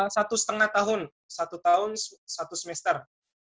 satu setengah tahun satu tahun satu semester